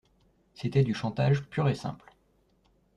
C’était du chantage pur et simple.